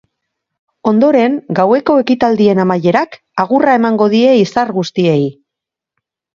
Ondoren, gaueko ekitaldien amaierak agurra emango die izar guztiei.